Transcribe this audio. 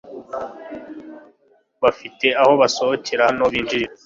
Bafite aho basohokera naho binjira